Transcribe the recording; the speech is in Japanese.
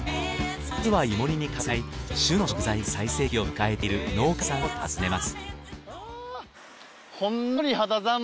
まずは芋煮に欠かせない旬の食材が最盛期を迎えている農家さんを訪ねます。